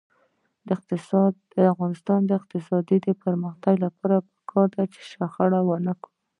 د افغانستان د اقتصادي پرمختګ لپاره پکار ده چې شخړه ونکړو.